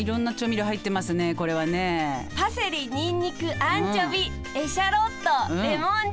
パセリニンニクアンチョビエシャロットレモン汁。